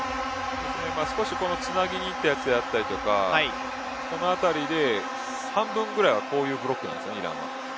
少しつなぎにいったやつだったりとかこのあたりで半分ぐらいはこういうブロックなんですねイランは。